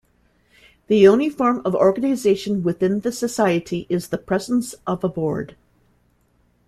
The only form of organisation within the society is the presence of a board.